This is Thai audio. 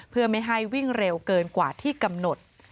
เพื่อไม่ให้วิ่งเร็วเกินกว่าที่กำหนด